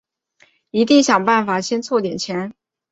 一定想办法先凑点钱